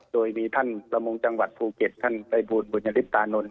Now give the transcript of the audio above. โดยมีท่านประมงจังหวัดภูเก็ตท่านประบูรณ์บุญฤทธิ์ตานนท์